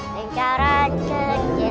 tengkaran jin tengkaran jin